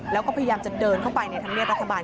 แล้วก็พยายามจะเดินเข้าไปในธรรมเนียบรัฐบาล